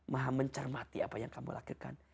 maha mencermati apa yang kamu lakukan